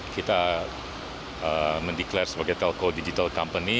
kita mendeklarasi sebagai telko digital company